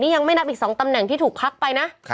ยังไม่นับอีก๒ตำแหน่งที่ถูกพักไปนะ